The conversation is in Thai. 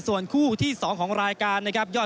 ส่วนคู่ที่๒ของรายการนะครับ